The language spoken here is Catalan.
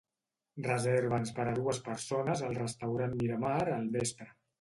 Reserva'ns per a dues persones al restaurant Miramar al vespre.